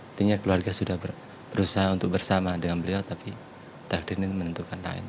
artinya keluarga sudah berusaha untuk bersama dengan beliau tapi takdirin ini menentukan lain